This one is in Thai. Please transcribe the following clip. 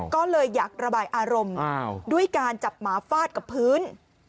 ก็เลยอยากระบายอารมณ์ด้วยการจับหมาฟาดกับพื้น